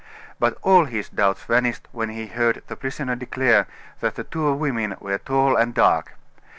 But all his doubts vanished when he heard the prisoner declare that the two women were tall and dark.